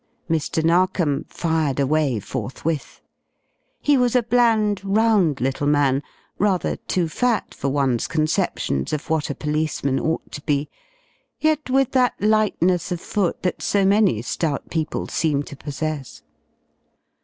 Mr. Narkom "fired away" forthwith. He was a bland, round little man, rather too fat for one's conceptions of what a policeman ought to be, yet with that lightness of foot that so many stout people seem to possess.